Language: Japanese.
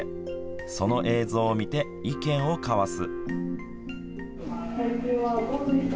その映像を見て意見を交わす。